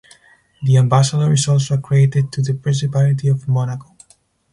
The ambassador is also accredited to the Principality of Monaco.